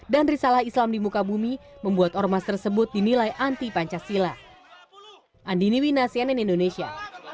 dan risalah islam di muka bumi membuat ormas tersebut dinilai anti pancasila